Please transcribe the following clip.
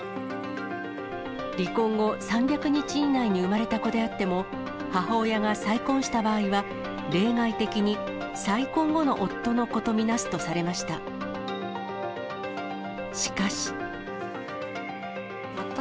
離婚後３００日以内に生まれた子であっても、母親が再婚した場合は、例外的に再婚後の夫の子と見なすとされました。